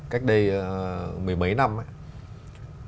cách đây mười mấy năm ấy